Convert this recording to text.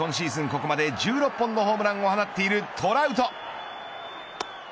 ここまで１６本のホームランを放っているトラウト。